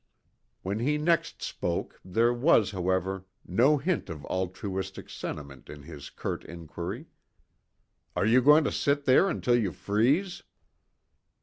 When he next spoke, there was, however, no hint of altruistic sentiment in his curt inquiry: "Are you going to sit there until you freeze?"